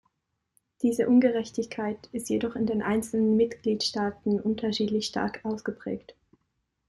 Diese Ungerechtigkeit ist jedoch in den einzelnen Mitgliedstaaten unterschiedlich stark ausgeprägt.